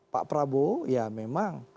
pak prabowo ya memang